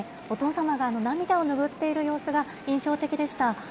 お父様が涙を拭っている様子が印象的でした。